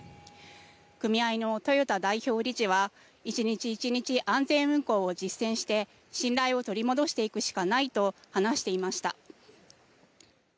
組合の豊田代表理事は１日１日、安全運航を実践して信頼を取り戻していくしかないと話していました。